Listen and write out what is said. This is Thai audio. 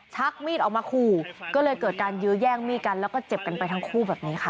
ชักมีดออกมาขู่ก็เลยเกิดการยื้อแย่งมีดกันแล้วก็เจ็บกันไปทั้งคู่แบบนี้ค่ะ